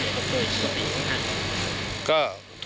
คุณระพินฮะคุณระพินฮะ